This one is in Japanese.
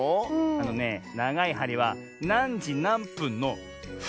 あのねながいはりはなんじなんぷんの「ふん」のぶぶんだね。